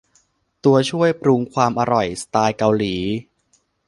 ตัวช่วยปรุงความอร่อยสไตล์เกาหลี